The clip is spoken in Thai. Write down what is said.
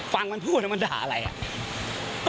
ฟังมันพูดมันหักเลยอ่ะ